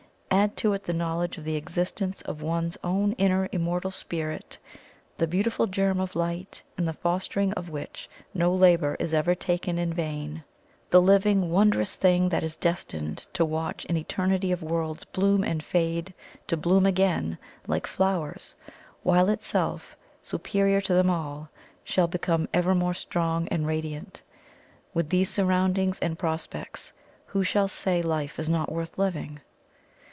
Add to it the knowledge of the existence of one's own inner Immortal Spirit the beautiful germ of Light in the fostering of which no labour is ever taken in vain the living, wondrous thing that is destined to watch an eternity of worlds bloom and fade to bloom again, like flowers, while itself, superior to them all, shall become ever more strong and radiant with these surroundings and prospects, who shall say life is not worth living?